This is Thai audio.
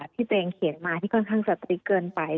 ที่เจนเขียนมาที่ค่อนข้างสติเกินไป